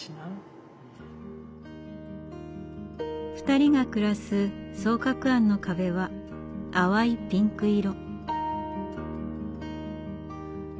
２人が暮らす双鶴庵の壁は淡いピンク色。